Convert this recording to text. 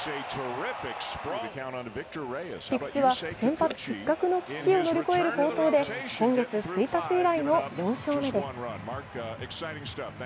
菊池は先発失格の危機を乗り越える好投で今月１日以来の４勝目です。